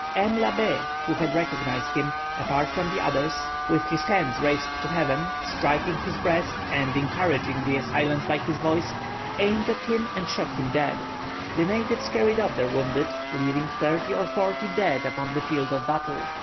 M. Labbé, who had recognized him, apart from the others, with his hands raised to heaven, striking his breast, and encouraging the assailants by his voice, aimed at him and shot him dead. The natives carried off their wounded, leaving thirty or forty dead upon the field of battle.